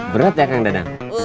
berat ya kang dadang